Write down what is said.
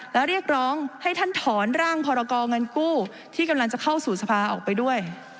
และเรียกร้องให้ท่านถอนร่างพรกรเงินกู้ที่กำลังจะเข้าสู่สภาออกไปด้วย